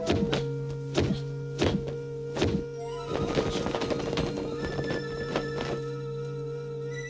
tidak ada yang bisa dihukum